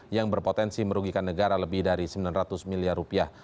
yang berpotensi merugikan negara lebih dari sembilan ratus miliar rupiah